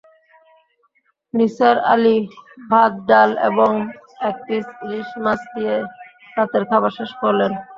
নিসার আলি ভাত ডাল এবং এক পিস ইলিশ মাছ দিয়ে রাতের খাবার শেষ করলেন।